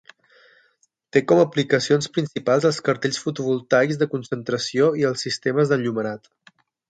Té com aplicacions principals els cartells fotovoltaics de concentració i els sistemes d'enllumenat.